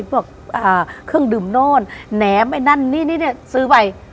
พวกเครื่องดื่มโน่นแหนมไอ้นั่นนี่ซื้อไป